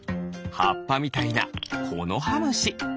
はっぱみたいなコノハムシ。